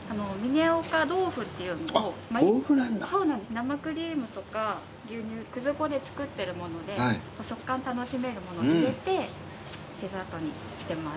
生クリームとか牛乳くず粉で作ってるもので食感楽しめるもの入れてデザートにしてます。